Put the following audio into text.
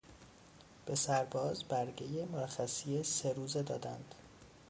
به سرباز برگهی مرخصی سه روزه دادند.